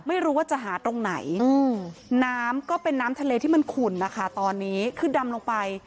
ไม่รู้ว่าจะหาตรงไหนน้ำก็เป็นน้ำทะเลที่มันขุ่นนะคะตอนนี้คือดำลงไป